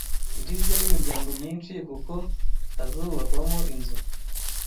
ugizwe n’imiryango myinshi kuko hazubakwamo inzu